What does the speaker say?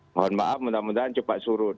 mohon maaf mudah mudahan cepat surut